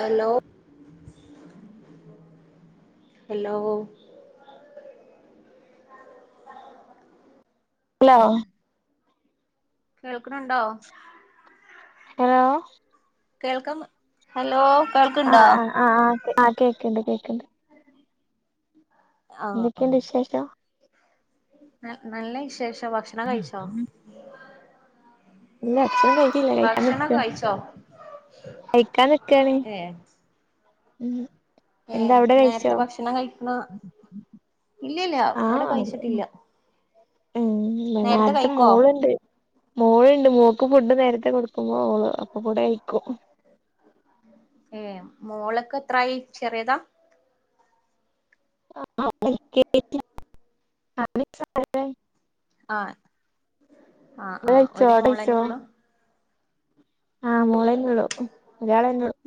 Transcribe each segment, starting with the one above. Hello hello hello കേൾക്കണിണ്ടോ hello കേൾക്കം hello കേൾക്കണ്ടോ കേക്കണ്ട് കേക്കണ്ട് ആഹ് എന്തൊക്കെയുണ്ട് വിശേഷം നല്ല വിശേഷം ഭക്ഷണം കഴിച്ചോ ഇല്ല അക്ഷണം കഴിച്ചില്ല കഴിക്കാൻ ഭക്ഷണം നിക്ക കഴിച്ചോ കഴിക്കാൻ നിക്കാണ് ഏ ഉം ഏ എന്താ അവിടെ കഴിച്ചോ നേരത്തെ ഭക്ഷണം കഴിക്കണാ ഇല്ലല്ല ആ ഇവിടെ കഴിച്ചിട്ടില്ല ഉം നേരത്തെ മോളുണ്ട് മോളുണ്ട് മോ ക്ക് ഫുഡ് നേരത്തെ കൊടുക്കുമ്പോ ഓള് അപ്പൊ കുടെ കയിക്കും ഏ മോളൊക്കെ എത്രായി ചെറിയതാ ആ [unintelligible] ആ ആ ആ ഇങ്ങള് കഴിച്ചോ ഒരു അവിടെ കഴിച്ചോ മോളന്നെ ഉള്ളൂ ആ മോളന്നെള്ളു ഒരാള് തന്നെ ഉളളൂ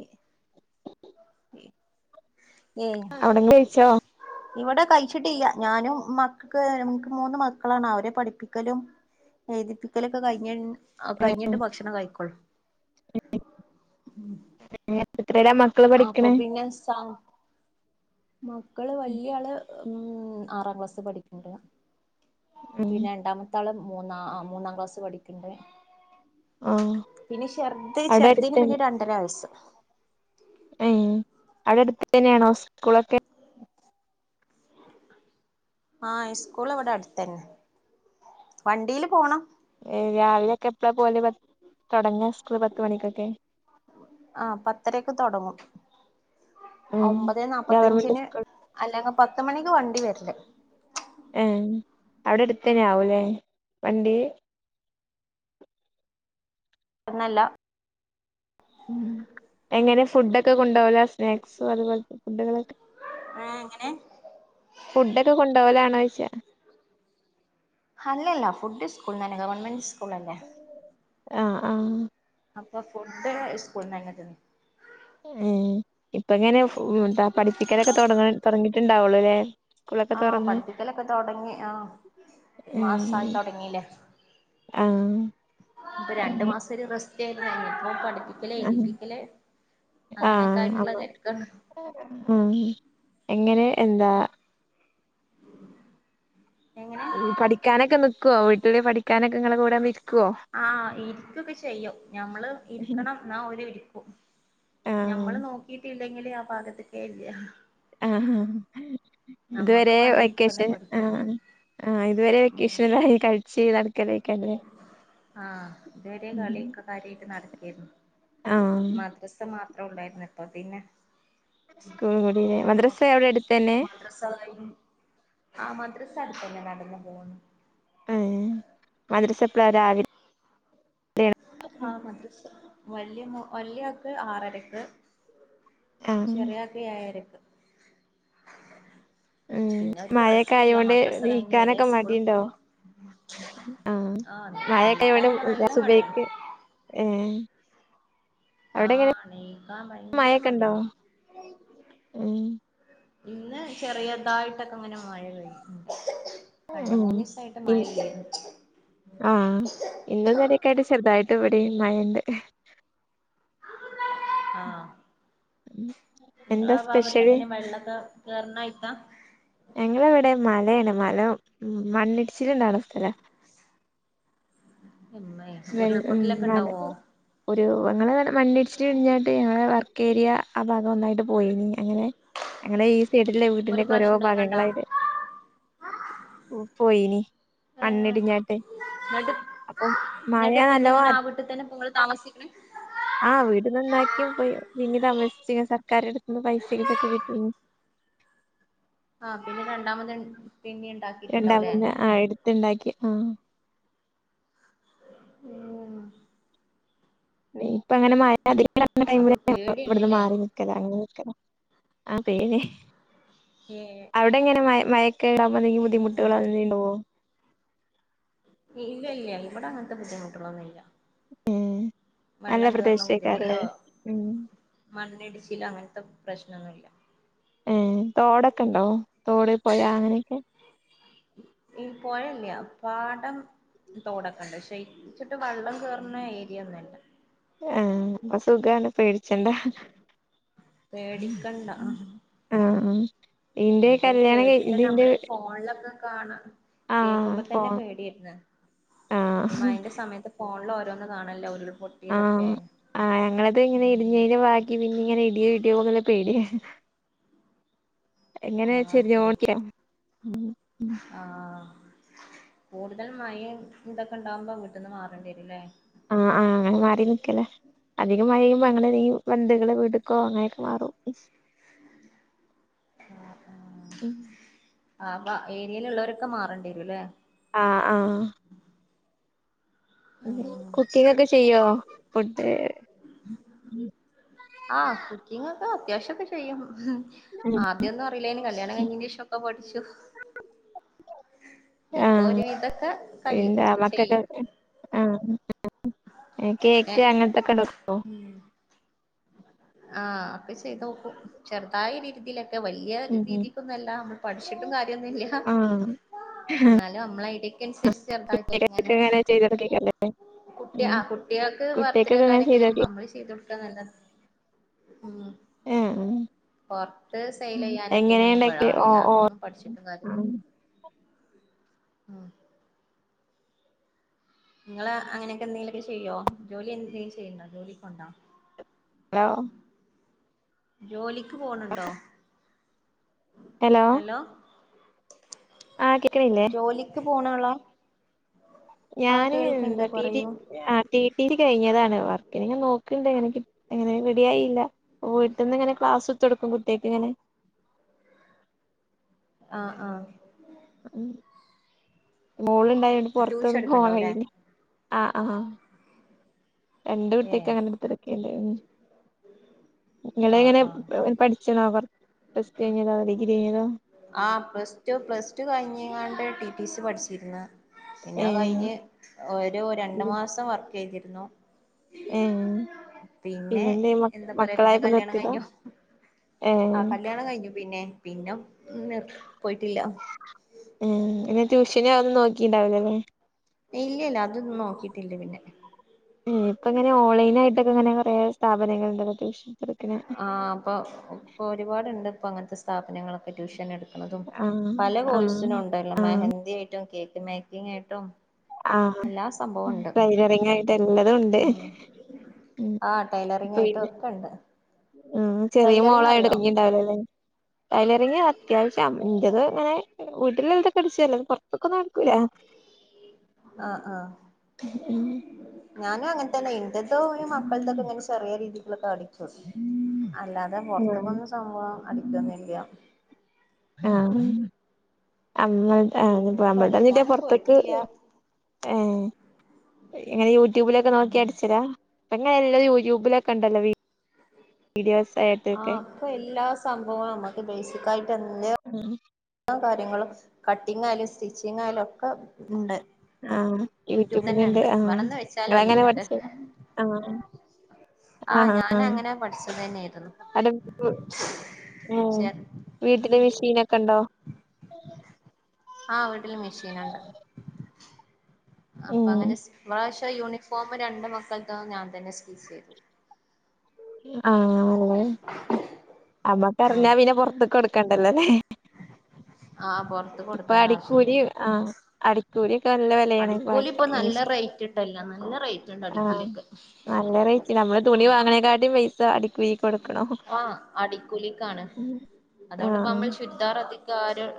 ഏ അവിടേ കഴിച്ചോ ഇവിടെ കഴിച്ചിട്ടില്ല്യ ഞാനും മക്കക്ക് ഞമക്ക് മൂന്ന് മക്കളാണ് അവരെ പഠിപ്പിക്കലും എഴുതി പിക്കലൊക്കെ കഴിഞ്ഞ ആ കഴിഞ്ഞിട്ട് ഏ ഭക്ഷണം കഴിക്കോളൂ ഉം ത്രല്ല മക്കള് പഠിക്കണ മക്കള് വലിയ ആള് ഉം ആറാം ക്ലാസ് പഠിക്കണ്ട ഉം പിന്നെ രണ്ടാമത്തെ ആള് മൂന്നാം മൂന്നാം ക്ലാസ്സ് പഠിക്കണ്ട് ആ പിന്നെ ഛെർദ അവിടെ ഛെർദീന് അടുത്തന്നെ പിന്നെ രണ്ടര വയസ്സ ഉം അവിടെ അടുത്ത് തന്നെയാണോ സ്കൂളൊക്കെ ആ സ്കൂൾ ഇവിടെ അടുത്തന്നെ വണ്ടിയില് പോണം ഏ രാവിലെയൊക്കെ എപ്പഴാ പോലെ തുടങ്ങ സ്കൂള് പത്തുമണിക്കൊക്കെ ആ പത്തരക്ക് തുടങ്ങും ഉം ഒമ്പത് ഗവർമെന്റ് നാപ്പത്തയഞ്ചിന് സ്കൂൾ അല്ലെങ്കിൽ പത്ത മണിക്ക് വണ്ടി വരില്ലേ എ അവിടെ അടുത്തേന്നെ ആവൂല്ലേ വണ്ടി [inaudible] എന്നല്ല ഉം എങ്ങനെ ഫുഡൊക്കെ കൊണ്ടാവല സ്നാക്സും അതുപോലത്തെ ഫുഡുകളൊക്കെ ഏഹ് എങ്ങനെ ഫുഡൊക്കെ കൊണ്ടപോലാണോ ചോച്ചാ അല്ലല്ല ഫുഡ് സ്കൂൾ നന്നെ ഗവൺമെന്റ് സ്കൂൾ അല്ലെ ആ ആ അപ്പോ ഫുഡ് സ്കൂളന്ന അങ്ങ തന്നെ എ ഇപ്പങ്ങനെ ന്ത പഠിപ്പിക്കാനൊക്കെട തുടങ്ങിട്ടുണ്ടാവുള്ളൂ ല്ലേ ആ പഠിപ്പിക്കലൊക്കെ തുടങ്ങി ആ ഒരു ഉം മാസമായിത്തൊടങ്ങീല്ലേ ആഹ് ഇപ്പൊ രണ്ടു മാസ ഒരു റെസ്റ്റ് [unintelligible] ഇപ്പം പഠി ആ അങ്ങനെയൊക്കെ ആയിട്ടുള്ള തെരക്കാണ് പ്പം ആ എങ്ങനെ എന്താ എങ്ങനെ പഠിക്കാനൊക്കെ നിക്കുവോ വീട്ടില്ിൽ പഠിക്കാനൊക്കെ നിങ്ങെ കൂടെ നി ആ ഇരിക്കൊക്കെ ചെയ്യോ ഞമ്മ ഇരിക്കണം എന്നാര് ഇ ആഹ് ഞമ്മള് നോക്കിട്ടില്ലെങ്കില് ആ ഭാഗത്തൊക്കെല്ല ആ ആഹ് ഞമ്മക്ക് ഇതുവരെ വേണ്ടീട്ട് ഓലെ വെക്കേഷൻ ആ പഠിക്കണം ആ ഇതുവരെ ഉം വെക്കേഷനായി ക ചെയ്ത് നടക്കലേയിരിക്കും അല്ലേ? ആഹ് ഇതുവരെ കളിയൊക്കെ കാര്യായിട്ട് നടക്കാരുന്നു ആഹ് മദ്രസ മാത് മാത്രോ ഉണ്ടായിരുന്ന് ഇപ്പ പിന്നെ സ്കൂൾ [unintelligible] മദ്രസ്സ അവിടെ അടുത്തു തന്നെ? മദ്രസായും [unintelligible] അടുത്തന്നെ നടന്നു പോകുന്നു. ഏഹ് മദ്രസ്സെപ്പളാ രാവിലെ ആഹ് മദ്രസ്സ വല്യ മോ വല്യ ആക്ക് ആറരക്ക് ആഹ് ചെറിയാക്ക് ഏഴരയ്ക്ക്. ഉം പിന്നെ ഓര്ക്ക് മഴയൊക്കെ റെസ്റ്റ് ഇല്ല ആയോണ്ട് മദ്രസ്സ കഴിഞ്ഞ് വെരെ നീക്കാനൊക്കെ സ്കൂൾ മടിയുണ്ടോ പോവാ ആഹ് മയക്കെ ആയോണ്ട് ഞാൻ സുബൈക്ക് ഏഹ് അവിടെ ആഹ് എങ്ങനെ എണീക്കാൻ ഭയങ്കര മഴയൊക്കെ ഉണ്ടോ മടിയാണ് ഉം ഇന്ന് ചെറിയതായിട്ടൊക്കെ ഇങ്ങനെ മഴ പെയ്ത് ഒ ഓ ആഹ് ഇന്നും ഇന്നലെയൊക്കെയായിട്ട് ചെറുതായിട്ട- ഇവിടെയും മഴണ്ട് [inaudible] എന്താ നിങ്ങളാ ഭാഗത്ത് സ്പെഷ്യല് എങ്ങനെ വെള്ളൊക്കെ കേയറണായിട്ടാ ഞങ്ങളവിടെ മലയാണ് മല മണ്ണിടിച്ചിട്ടുണ്ടണ സ്ഥല [inaudible] ഇമ്മേ വെ ഉം ഉരുൾപൊട്ടലൊക്കെ വ ഉണ്ടാവോ [unintelligible] ഒരു ഞങ്ങള് മണ്ണിടിച്ചില് കഴിഞ്ഞാട്ട് ഞങ്ങളെ വർക്കേരിയ ആ ഭാഗം ഒന്നായിട്ട് പോയീനി അങ്ങനെ ഞങ്ങളീ- സൈടി [unintelligible] ലെ ഒരു വീടിന്റെക്കെ ഓരോ പ്രാവശ്യം ഉണ്ടായിങ്ങാണ്ടാ ഭാഗങ്ങളായിത് ഓ പോയീനി ഏഹ് മണ്ണിടിഞ്ഞാട്ടെ അപ്പൊ- ന്നിട്ട് പിന്നെങ്ങനാ ആ വീട്ടിതന്നെ ഇപ്പം താമസിക്ക്ണേ ആഹ് വീട് നന്നാക്കിയും പോയി പിന്നേം താമസ്ച്ച് സർക്കാറെടുത്തുന്നു പൈസേം ഇതൊക്കെ കിട്ടും ആ പിന്നെ രണ്ടാമത് - രണ്ടാമെന്ന് ആ എടുത്ത്ണ്ടാക്കി ആ ഉം ഇപ്പ അങ്ങനെ മഴ അതികാവുന്ന അപ്പൊ ടൈമിലൊക്കെ ഇവട്ന്ന് പേടിയാണ്ല്ലേ മാറി നിക്കലാ അന - ആതെന്നെ ഏഹ് അവിടെ എങ്ങനെ മയ മയൊ ക്കേണ്ടാകുമ്പൊ എന്തെങ്കിലും ബുദ്ധിമുട്ടുകള് ഉം എന്തെണ്ടാവോ ഇല്ല ഇല്ല ഇവടെ അങ്ങനത്തെ ബുദ്ധിമുട്ടുകളൊന്നും ഇല്ല ഉം നല്ല വെള്ളം കേറ്ണ പ്രദേശേക്കാരല്ലേ ബുദ്ധിമുട്ടോ ഉം മണ്ണിടിച്ചില് അങ്ങത്തെ- പ്രശ്നം ഒന്നുംയില്ല ഏ തൊടൊക്കെണ്ടോ തോട് പൊയാ അങ്ങനൊക്കെ പൊഴല്യ പാടം. തോടൊക്കെ ഇണ്ട്. പക്ഷെ അത്ച്ച്ട്ട് വള്ളം കേറ്ണ ഏരിയൊന്നല്ല. ആ പ്പം സുഖാണ് പേടിച്ചണ്ടാ. പേടിക്കണ്ട. ആഹ ആഹ് ആഹ് ഇന്റെ ഇത് കല്യാണം കഴി കേട്ടിട്ട് ഇത് ഇന്റെ നമ്മളെ ഫോൺലൊക്കെ കാണാ ആഹ് കേക്കുമ്പൊതന്നെ പോണം പേടിര്ന്ന് ഈ ആഹ് മഴന്റെ സമയത്ത് ഫോൺല് ഓരോന്ന് കാണല്ലോ ഓരോ ആ ആ ഞങ്ങളത് ഇങ്ങനെ ഉം ഇടിഞ്ഞൻ്റെ ബാക്കി പിന്നിങ്ങനെ ഇ [unintelligible] ള്ള പേടിആ എങ്ങനെ ആഹ് അതെ [unintelligible] ആഹ് കൂടുതൽ മഴിം ഇതൊക്കെ ഇണ്ടാവ്മ്പോ വീട്ട്ന്ന് മാറേണ്ടി വരൂല്ലേ? ആ ആ അങ്ങനെ മാറി നിക്കലാ. അധികം മഴയ്യുമ്പോ അങ്ങനെനീങ്ങും ബന്തുക്കളെ വീട്ട്ക്കോ അങ്ങനൊക്കെ മാറും. [unintelligible] ഉം ആ ഏരേലുള്ളോരൊക്കെ മാറേണ്ടിരും ല്ലേ? ആ ആ ഉം കുക്കിങ്ങൊക്കെ ചെയ്യോ ഫുഡ് ആ കുക്കിങ്ങൊക്കെ അത്യാവശ്യക്കെ ചെയ്യും. ഉം ആദ്യൊന്നും അറീലേനി കല്യാണം കഴിഞ്ഞേൻ്റേഷം ഒക്കെ പഠിച്ചു. ഇപ്പോ ആഹ് ഒരുവിതൊക്കെ കഴിയും. എന്താ മക്കക്ക് ചെയ്യും. [inaudible] കേക്ക് ഏഹ് അങ്ങൻത്തൊക്കെ വെക്കും. ആ ഒക്കെ ചെയ്തോക്കും ചെറുതായി രീതിയിലൊ ക്കെ വല്യ ഉം ഉം രീതിക്കൊന്നല്ല. മ്മള്‌ പഠിച്ച്ട്ടും കാര്യൊന്നുല്ല. ആഹ് എന്നാലും നമ്മളെ ഐഡിക്കൻസരിച്ച് ചെറുതായിട്ട് ഇങ്ങനെ കേക്കൊക്കെങ്ങനെ ചെയ്തൊട്ക്കേക്കാരല്ലേ കുട്ടി ഉം ആ കുട്യേക്ക് ബർത്തിഡേ കുട്ട്യേക്കൊക്കെ അങ്ങനെ കാര്യൊക്കെ ചെയ്തോക്കി വരുമ്പോ അമ്മള് ചെയ്തൊട്ക്കാന്നല്ലാതെ. ഏഹ് ഉം പൊർത്ത് സെയിലെയ്യാനും തിനൊന്നും പ്പഴ ഇണ്ടാക്കിയെ ഓ അറീല. ഓ അതൊന്നും പഠിച്ച്ട്ടും കാര്യ ആഹ് ഇങ്ങള് അങ്ങനൊക്കെ എന്തെങ്കിലൊക്കെ ചെയ്യോ? ജോലി എന്തെങ്കിലും ചെയ്യ്ണ്ടോ? ജോലിക്കോവ്ണ്ടോ? ഹലോ ജോലിക്ക് പോണ് ണ്ടോ? ഹലോ ആഹ് കേക്ക്ണ്ല്ലേ? ജോലിക്ക് പോണാളാ ആഹ് ഞാന് കേൾക്കണ്ട് എന്താ ടി ടി പറയൂ ആഹ് ടി ടി സി കഴിഞ്ഞതാണ്. വർക്കിനങ്ങെ നോക്ക്ണ്ട് എങ്ങനക്കി എങ്ങനെ റെഡിയായിയില്ല വീട്ട്ന്ന് ഇങ്ങനെ ക്ലാസ് തൊടുക്കും കുട്ടേൾക്ക് ഇങ്ങനെ. ആഹ് ആഹ് ഉം മോള് ഇണ്ടായോണ്ട് ട്യൂഷൻ പൊറത്തൊന്നും എടുക്കണ്ടാവുംല്ലേ [unintelligible] ആഹ് ആഹ് രണ്ട് ഏ കുട്ടിയേക്ക് അങ്ങനെ എടുത്ത് കോടുക്കല്ലേ ഇങ്ങള് ആഹ് എങ്ങനെ പഠിച്ച്ണോ? അവർ ആഹ് പ്ലസ് ടു പ്ലസ് ടു കഴിഞ്ഞിങ്ങാണ്ട് ടി ടി സി പഠിച്ചിരുന്നെ. ഏ പിന്നെ കഴിഞ്ഞ് ഒരു രണ്ട് മാസം വർക്ക് ചെയ്തി ന്നു ഏഹ് പിന്നെന്തെ മക്ക് എന്താ പറയാ മക്കളായപ്പ നിർത്തിയതാ? ഏഹ് ആഹ് കല്ല്യാണം കഴിഞ്ഞു പിന്നെ പിന്നെ നിർ പോയിട്ടില്ല ഏഹ് പിന്നെ ട്യൂഷന് ഒന്നും നോക്കിണ്ടാവിലല്ലേ? ഇല്ല ഇല്ല അതൊന്നും നോക്കിട്ടില്ല പിന്നെ ഉം ഇപ്പങ്ങനെ ഓൺലൈൻനായിട്ട് ത്തക്കെ ഇങ്ങനെ കുറെ സ്ഥാപനങ്ങൾ ഇണ്ടല്ലോ അത്യാശ്യം. ആഹ അപ്പൊ ഇപ്പൊ ഒരുപാടുണ്ട് ഇപ്പൊ അങ്ങനത്തെ സ്ഥാപനങ്ങളൊക്കെ ട്യൂഷൻ. എടുക്കണതും ആഹ് പല ആഹ് കോഴ്സിനു ണ്ടല്ലോ ആഹ് മെഹന്ദി ആയിട്ടും കേക്ക് മേക്കിംഗ് ആയിട്ടും ആഹ എല്ലാ സംഭവം ആ ഉണ്ട് ടൈലറിങ്ങും ആയിട്ട് എല്ലതും ഉണ്ട്. ഉം ആഹ ടൈലറിങ്ങ് ഇപ്പൊ ആയിട്ടും പിന്നെ ഒക്കെ ണ്ട് ഉം ചെറിയ മോളായി ഇറങ്ങിണ്ടാവലല്ലെ ടൈലറിങ്ങ് അത്യാവശ്യം ന്റത് ങ്ങനെ വീട്ടിലെല്ലതൊടിച്ചല്ലോ പുറത്തൊക്ക ഒന്നും നടക്കൂല. ആഹ ആഹ ഉം ഞാനും അങ്ങനത്തന്നെ ഇൻ്റെത് തോ മക്കൾക്കൊക്കെ ഇങ്ങനെ ചെറിയ രീതിയിലുള്ള താടി [unintelligible] അല്ലാതെ ആഹ് പോറത്തക്കൊന്നും സംഭവം അടിക്കൊന്നില്ല. ആഹ അമ്മൾ [unintelligible] [unintelligible] ആപ്പ പിന്നെ അമ്മളന്നിട്ടിയ പഠിക്കാനും പൊറത്തേക്ക് പോയിട്ടില്ല ഏ ഇങ്ങനെ യൂട്യൂബിലൊക്കെ നോക്കി അടിച്ചതാ ഇങ്ങനെ എല്ല യൂട്യൂബിലൊക്കെ ഉണ്ടല്ലോ? വീ ആഹ അപ്പൊ എല്ലാ സംഭവവും നമ്മുക്ക് ബേസിക്ക ആയിട്ട് എ കാര്യങ്ങളും കട്ടിങ്ങ് യാലും സ്റ്റിച്ചിങ് ആയാലും ഒക്കെ ഉണ്ട്. ആഹ യൂട്യൂബ് തന്നെ യൂട്യൂബിലുണ്ട്. ഉണ്ട് ആഹ വേണന്ന് വെച്ചാലും നിങ്ങള് അങ്ങനെ എല്ലാം പഠിച്ചു? ആ ആഹ ഞാന് അങ്ങനെ പഠിച്ചത് തന്നെയായിരുന്നു. ആം ശരി വീട്ടില മിഷീനോക്കെണ്ടോ? ആഹ വീട്ടിൽ മെഷീനുണ്ട്. അപ്പൊ ഉം അങ്ങനെ യൂണിഫോമ് രണ്ട് മക്കള്ളത് ഞാൻ തന്നെ സ്റ്റിച്ച് ചെയ്തു. ആഹ അല്ലെ അമ്മക്കറിഞ്ഞാ പിന്നെ പോറത്ത് കൊടുക്ക ണ്ടല്ലോല്ലേ? ആഹ് പൊറത്ത് ഇപ്പൊ കൊടുക്കണ്ട അടിക്കൂലി ആവശ്യല്ലല്ലോ ആ അടിക്കൂലി. നല്ല വിലയാണ് പാ അടിക്കൂലി ഇപ്പൊ നല്ല [unintelligible] റേറ്റ് ഇണ്ടല്ലോ നല്ല റേറ്റ് [unintelligible] ഉണ്ട് ആ അടിക്കൂലിയൊക്കെ നല്ല റേറ്റിലാ നമ്മള് തുണി വാങ്ങണേക്കാട്ടി പൈസ അടികുലി ആഹ അടിക്കൂലിക്കാണ്. അതുകൊണ്ട് ഇപ്പോ ആഹ് നമ്മൾ ശുരിദാർ ഇപ്പോആരും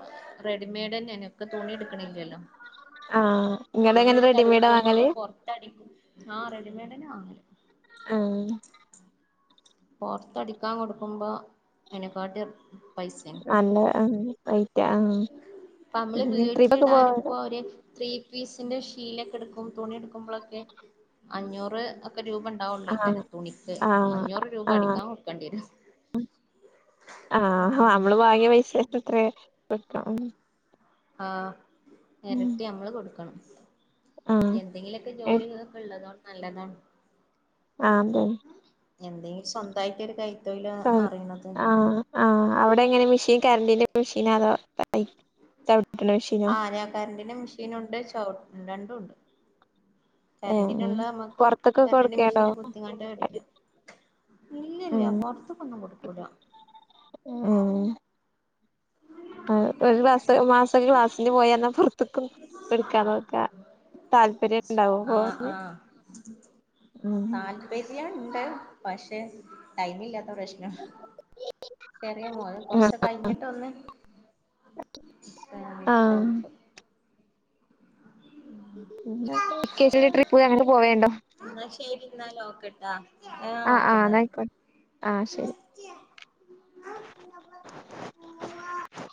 റെഡിമെയഡ് തന്നെന്ഇപ്പോ തുണി എടുക്കണില്ലല്ലോ ആഹ് - ഇങ്ങള് തുണി എങ്ങനെ എടുത്ത് റെഡിമെയ്ഡാ അടിക്ക്മ്പം വാങ്ങല് നമ്മള് പൊറത്തടിക്കും ആഹ് റെഡിമെയ്ഡ്ന്നെ വങ്ങല് - ആഹ് പൊറത്തടിക്കാൻ കൊടുക്കുമ്പോ അനേക്കാട്ടീ- നല്ല ആഹ് റെയിറ്റാ ഇപ്പ നമ്മള് ആഹ് ട്രീപ്പ ഒക്കെ വീട്ടിലിടാനിപ്പോ പോവാറ്ണ്ട- ഒരു ത്രീ പീസിന്റെ ശീലൊക്കെ എടുക്കുംമ്പം തുണി എടുക്കുമ്പളൊക്കെ അഞ്ഞൂറ്- രൂപ ഉണ്ടാവുള്ള ര ആഹ് തുണിക്ക് ആഹ് അഞ്ഞൂറ് - ആഹ് ആഹ് നമ്മള് വാങ്ങിയ പൈസക്കത്രേം- [unintelligible] ആഹ് എരട്ടി അമ്മള് കൊട്ക്കണം- ആഹ് എന്തെങ്കില്ക്കെ ഏഹ് ജോലിക്കെ ഉള്ളത് നല്ലതാണ്- ആതെ- എന്തെങ്കിലും സ്വന്തായിട്ട് ഒരു കൈ- ആഹ് ആഹ് ആഹ് അവിടെ എങ്ങനെ മെഷീൻ കറണ്ടിന്റെ മെഷീനതോ? [unintelligible] ആഹ് ഞാൻ കറൻ്റിൻ്റെ മെഷീൻ ഉണ്ട് ചവ് രണ്ടും ഉണ്ട്- ഏഹ് ഉം കരണ്ടിനുള്ള അമ്ക്ക് പൊറത്തൊക്കെ കറന്റിന്റെ കൊടുക്കേണ്ടോ മെഷീന് കുത്തിങ്ങോട്ട് അടിക്കാം- ഇല്ലില്ല പൊറത്തുക്കൊന്നും കൊടുക്കൂല- ഓഹ് - ആഹ് ഒരു ക്ലാസ് മാസ ക്ലാസ്സിന് പോയന്നാ പുറത്തക്കും എടുക്കാന്നത്- ആഹ് ആഹ് ഉം താല്പര്യംണ്ട് പശ് ദേ ടൈം ഇല്ലാത്ത പ്രശ്നം ചെറിയാ മോല് കൊറച് കഴിഞ്ഞിട്ട് ഒന്ന്- ആഹ് [inaudible] [unintelligible] ട്രിപ്പ് അങ്ങനെ പോവേണ്ടോ - ന്നാ ശെരി ന്നാലോക്ക്ട്ടോ ആ ആ ന്നയ്ക്കോട്ടെ ആ ശെരി